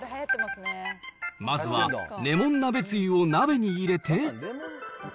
まずはレモン鍋つゆを鍋に入れて。